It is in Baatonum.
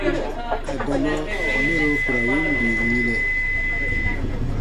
Adama mɛro ku ra win bii yinɛ.